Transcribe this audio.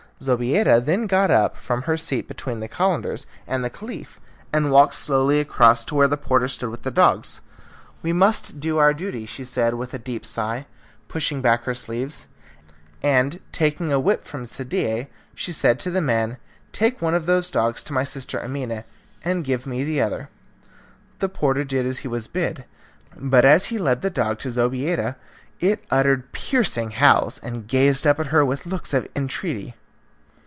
Zobeida then got up from her seat between the Calenders and the Caliph and walked slowly across to where the porter stood with the dogs. "We must do our duty," she said with a deep sigh, pushing back her sleeves, and, taking a whip from Sadie, she said to the man, "Take one of those dogs to my sister Amina and give me the other." The porter did as he was bid, but as he led the dog to Zobeida it uttered piercing howls, and gazed up at her with looks of entreaty.